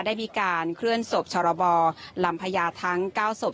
ได้มีการเครื่อนสบชะระบอลำพยาทั้ง๙สบ